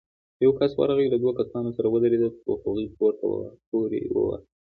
يو کس ورغی، له دوو کسانو سره ودرېد، خو هغوی پورې واهه.